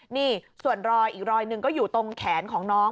นี่ส่วนรอยอีกรอยหนึ่งก็อยู่ตรงแขนของน้อง